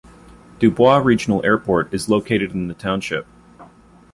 DuBois Regional Airport is located in the township.